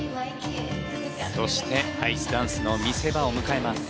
そしてアイスダンスの見せ場を迎えます。